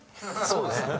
そうですね。